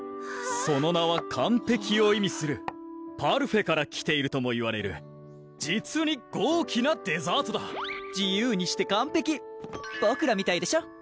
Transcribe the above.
その名は「完璧」を意味する「パルフェ」からきているともいわれる実に剛毅なデザートだ自由にして完璧ボクらみたいでしょ